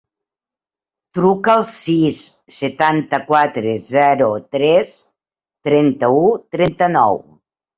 Truca al sis, setanta-quatre, zero, tres, trenta-u, trenta-nou.